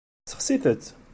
Sexsit-tt.